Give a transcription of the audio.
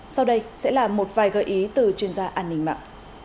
sau đây sẽ là một vài gợi ý từ chuyên gia an ninh mạng